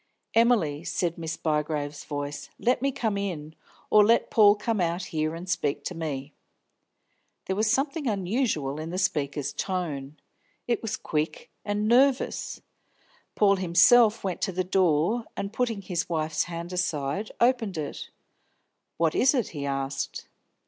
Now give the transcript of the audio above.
"Emily," said Miss Bygrave's voice, "let me come in or let Paul come out here and speak to me." There was something unusual in the speaker's tone; it was quick and nervous. Paul himself went to the door, and, putting his wife's hand aside, opened it. "What is it?" he asked.